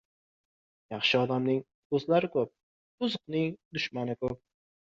• Yaxshi odamning do‘stlari ko‘p, buzuqining dushmani ko‘p.